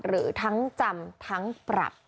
หรือทั้งจำทั้งปรับ